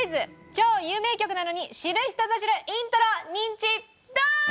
超有名曲なのに知る人ぞ知るイントロニンチ・ドン！